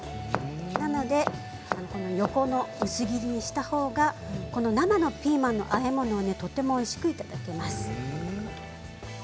なので横の薄切りにしたほうが生のピーマンのあえ物はとてもおいしくいただけます。